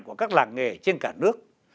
của các làng nghề trên cả nước